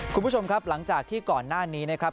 คุณผู้ชมครับหลังจากที่ก่อนหน้านี้นะครับ